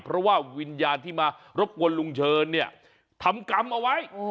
เพราะว่าวิญญาณที่มารบกวนลุงเชิญเนี่ยทำกรรมเอาไว้